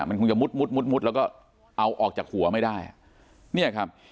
มันคงจะมุดแล้วก็ออกจากหัวไม่ได้